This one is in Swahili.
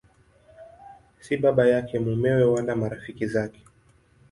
Si baba yake, mumewe wala marafiki zake.